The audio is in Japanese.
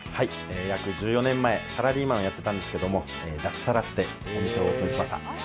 約１４年前、サラリーマンをやっていたんですけど、脱サラしてお店をオープンしました。